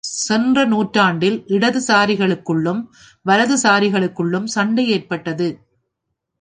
சென்ற நூற்றாண்டில் இடது சாரிகளுக்குள்ளும் வலது சாரிகளுக்குள்ளும் சண்டை ஏற்பட்டது.